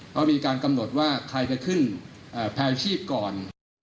เขามีการกำหนดว่าใครจะขึ้นแพร่ชีพก่อน